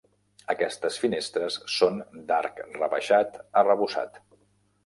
Aquestes finestres són d'arc rebaixat arrebossat.